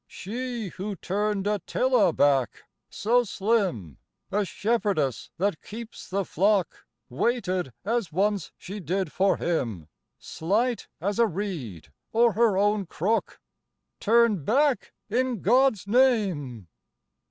She who turned Attila back, so slim, A shepherdess that keeps the flock, Waited as once she did for him, Slight as a reed or her own crook ;" Turn back in God's Name